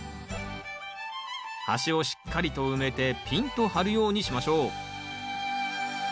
端をしっかりと埋めてピンと張るようにしましょう。